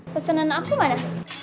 pesanan aku mana